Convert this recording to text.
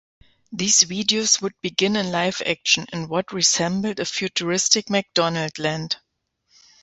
These videos would begin in live action, in what resembled a futuristic McDonaldland.